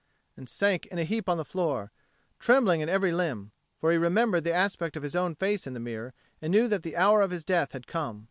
and sank in a heap on the floor, trembling in every limb; for he remembered the aspect of his own face in the mirror and knew that the hour of his death had come.